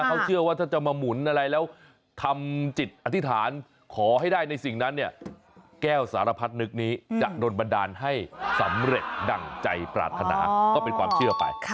เขาเชื่อว่าถ้าจะมาหมุนอะไรแล้วทำจิตอธิษฐานขอให้ได้ในสิ่งนั้นเนี่ยแก้วสารพัดนึกนี้จะโดนบันดาลให้สำเร็จดั่งใจปรารถนาก็เป็นความเชื่อไป